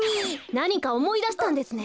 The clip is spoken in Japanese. なにかおもいだしたんですね！？